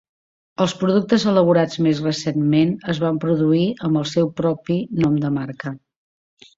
Els productes elaborats més recentment es van produir amb el seu propi nom de marca.